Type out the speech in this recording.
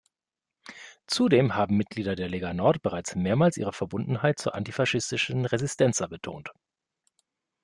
Zudem haben Mitglieder der Lega Nord bereits mehrmals ihre Verbundenheit zur antifaschistischen Resistenza betont.